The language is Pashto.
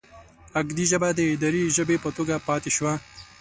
اکدي ژبه د اداري ژبې په توګه پاتې شوه.